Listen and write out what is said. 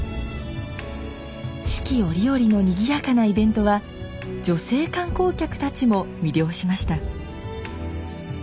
四季折々のにぎやかなイベントは女性観光客たちも魅了しました。